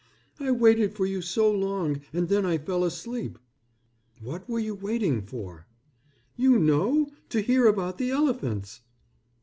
"I waited for you so long, and then I fell asleep." "What were you waiting for?" "You know. To hear about the elephants."